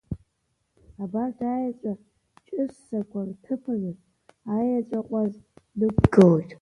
Абарҭ аеҵәа ҷыссақәа рҭыԥаны аеҵәаҟәаз нықәгылоит.